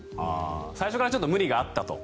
最初からちょっと無理があったと。